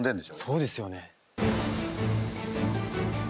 そうですよね。